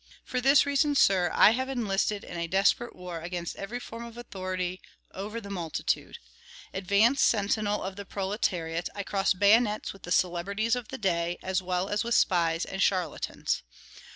For this reason, sir, I have enlisted in a desperate war against every form of authority over the multitude. Advance sentinel of the proletariat, I cross bayonets with the celebrities of the day, as well as with spies and charlatans.